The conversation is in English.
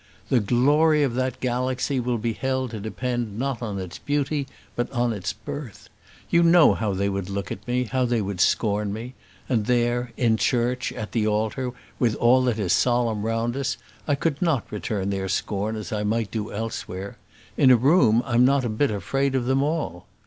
The glory of that galaxy will be held to depend not on its beauty, but on its birth. You know how they would look at me; how they would scorn me; and there, in church, at the altar, with all that is solemn round us, I could not return their scorn as I might do elsewhere. In a room I'm not a bit afraid of them all."